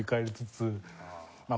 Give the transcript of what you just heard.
まあ